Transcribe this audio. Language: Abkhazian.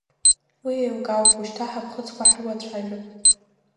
Уи еилкаауп, ушьҭа ҳаԥхыӡқәа ҳрылацәажәап.